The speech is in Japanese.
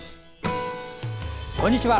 こんにちは。